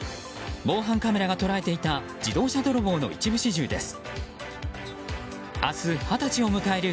防犯カメラが捉えていた自動車泥棒の一部始終です。